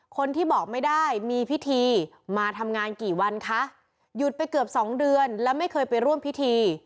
คนที่บอกไม่ได้มีพิธีมาทำงานกี่วันคะหยุดไปเกือบสองเดือนแล้วไม่เคยไปร่วมพิธี